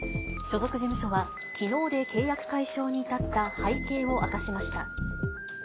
所属事務所は、きのうで契約解消に至った背景を明かしました。